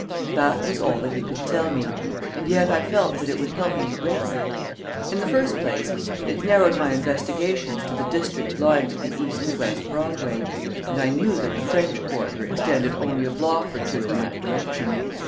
That was all that he could tell me, and yet I felt that it would help me greatly. In the first place, it narrowed my investigations to the district lying to the east of West Broadway, and I knew that the French quarter extended only a block or two in that direction.